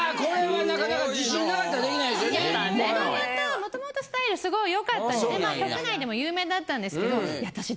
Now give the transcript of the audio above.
元々スタイルすごい良かったんでね局内でも有名だったんですけどいや私。